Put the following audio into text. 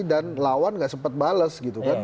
dan lawan gak sempat bales